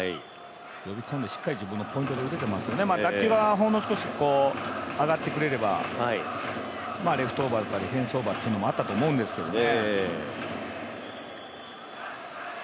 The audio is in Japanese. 呼び込んで自分のポイントでしっかり打てていますよね、打球がほんの少し上がってくれればレフトオーバーだったりフェンスオーバーというのもあったかもしれませんけどね。